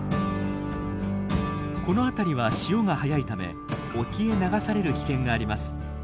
この辺りは潮が速いため沖へ流される危険があります。